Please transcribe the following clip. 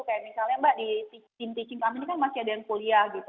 kayak misalnya mbak di team teaching kami ini kan masih ada yang kuliah gitu